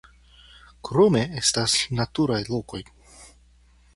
Krome estas naturaj lokoj.